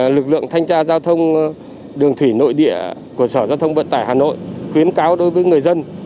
lực lượng thanh tra giao thông đường thủy nội địa của sở giao thông vận tải hà nội khuyến cáo đối với người dân